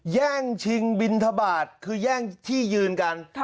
แย่งชิงบินทบาทคือแย่งที่ยืนกัน